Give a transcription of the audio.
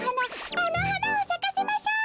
あのはなをさかせましょう！